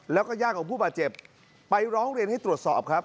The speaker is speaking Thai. แล้วก็ญาติของผู้บาดเจ็บไปร้องเรียนให้ตรวจสอบครับ